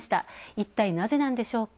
いったいなぜなんでしょうか。